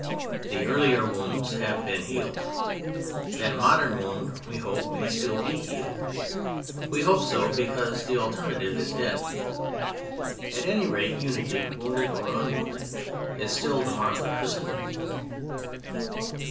The earlier wounds have been healed; that modern wound we hope may still be healed—we hope so because the alternative is death. At any rate unity, wounded or unwounded, is still the mark of Christendom.